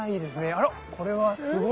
あらこれはすごい。